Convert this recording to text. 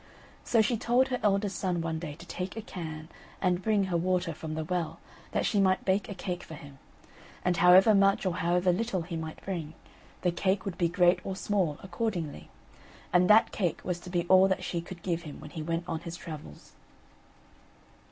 So she told her eldest son one day to take a can and bring her water from the well, that she might bake a cake for him; and however much or however little water he might bring, the cake would be great or small accordingly, and that cake was to be all that she could give him when he went on his travels.